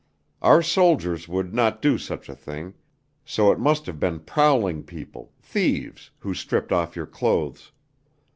Our soldiers would not do such a thing, so it must have been prowling people thieves who stripped off your clothes.